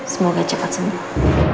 semoga cepat sembuh